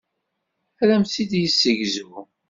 Ad am-t-id-yessegzu.